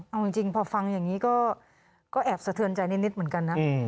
เอาจริงพอฟังอย่างนี้ก็แอบสะเทือนใจนิดเหมือนกันนะ